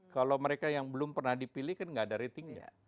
kalau mereka yang belum pernah dipilih kan nggak ada ratingnya